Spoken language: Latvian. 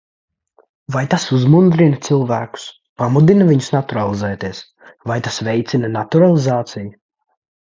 Vai tas uzmundrina cilvēkus, pamudina viņus naturalizēties, vai tas veicina naturalizāciju?